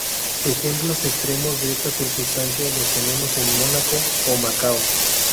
Ejemplos extremos de esta circunstancia los tenemos en Mónaco o Macao.